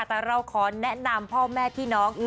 แต่เราขอแนะนำพ่อแม่พี่น้อง